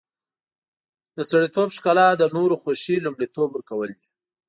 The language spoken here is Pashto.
د سړیتوب ښکلا د نورو خوښي لومړیتوب ورکول دي.